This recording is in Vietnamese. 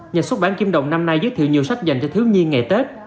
nhà xuất bản kim đồng năm nay giới thiệu nhiều sách dành cho thiếu nhi ngày tết